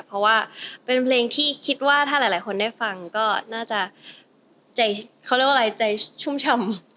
เพราะว่าเป็นเพลงที่คิดว่าถ้าหลายคนได้ฟังก็น่าจะใจชุ่มชำ